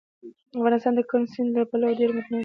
افغانستان د کندز سیند له پلوه ډېر متنوع دی.